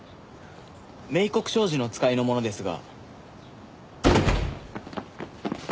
明国商事の使いの者ですが。